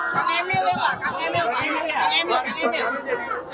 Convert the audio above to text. kang emil ya pak